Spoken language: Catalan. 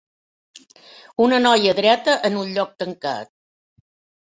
Una noia dreta en un lloc tancat.